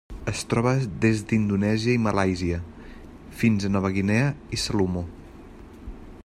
Es troba des d'Indonèsia i Malàisia fins a Nova Guinea i Salomó.